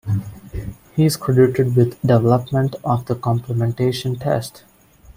He is credited with development of the complementation test.